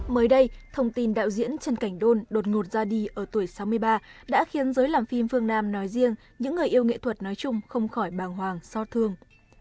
mới đây thông tin đạo diễn trần cảnh đôn đột ngột ra đi ở tuổi sáu mươi ba đã khiến giới làm phim phương nam nói riêng những người yêu nghệ thuật nói chung không khỏi bàng hoàng so thương